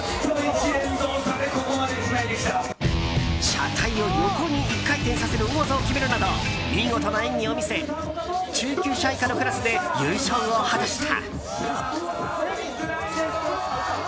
車体を横に１回転させる大技を決めるなど見事な演技を見せ中級者以下のクラスで優勝を果たした。